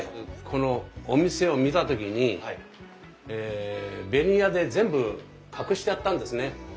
このお店を見た時にベニヤで全部隠してあったんですね。